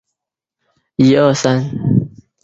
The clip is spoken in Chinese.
现在弘南铁道是日本最北端的私营电气铁路公司。